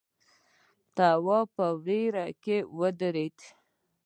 تواب په وېره کې ودرېد.